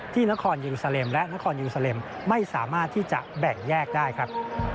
นครยูซาเลมและนครยูซาเลมไม่สามารถที่จะแบ่งแยกได้ครับ